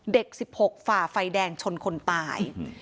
๑๖ฝ่าไฟแดงชนคนตาย